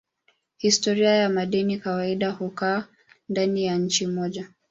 Historia ya madeni kawaida hukaa ndani ya nchi moja.